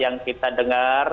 yang kita dengar